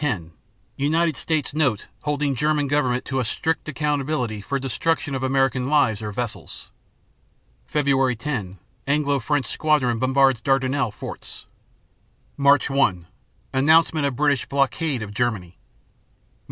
10 United States note holding German government to a "strict accountability" for destruction of American lives or vessels._ Feb. 10 Anglo French squadron bombards Dardanelles forts. Mar. 1 Announcement of British "blockade" of Germany. Mar.